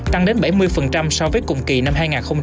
tăng đến bảy mươi so với cùng kỳ năm hai nghìn hai mươi ba